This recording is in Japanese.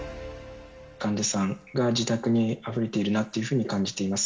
患者さんが自宅にあふれているなっていうふうに感じています。